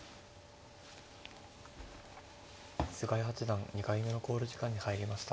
菅井八段２回目の考慮時間に入りました。